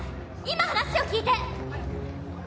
今話を聞いて！